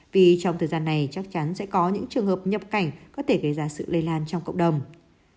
vì trong thời gian này chắc chắn sẽ có những trường hợp nhập cảnh có thể gây ra sự lây lan trong cộng đồng